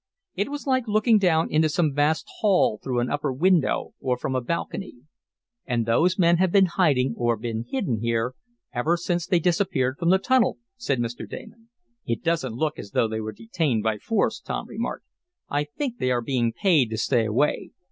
It was like looking down into some vast hall through an upper window or from a balcony. "And those men have been in hiding, or been hidden here, ever since they disappeared from the tunnel," said Mr. Damon. "It doesn't look as though they were detained by force," Tom remarked. "I think they are being paid to stay away.